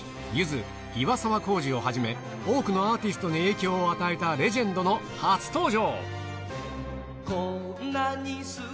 ゆず・いわさわこうじをはじめ、多くのアーティーストに影響を与えたレジェンドの初登場。